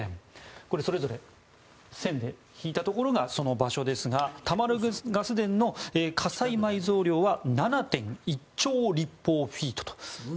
これ、それぞれ線で引いたところがその場所ですがタマルガス田の可採埋蔵量は７．１兆立方フィートと。